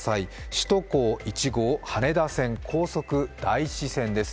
首都高１号羽田線、高速大師橋です。